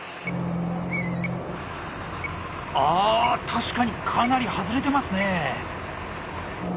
あ確かにかなり外れてますね。